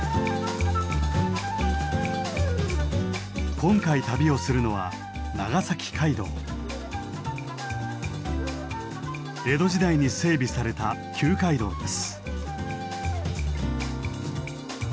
今回旅をするのは江戸時代に整備された旧街道です。